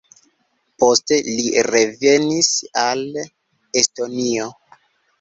Poste li revenis al Estonio.